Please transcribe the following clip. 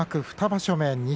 ２場所目、錦